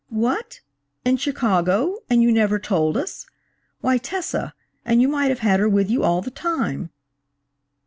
"What! in Chicago! And you never told us! Why Tessa–and you might have had her with you all the time!"